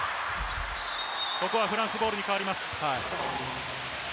ここはフランスボールに変わります。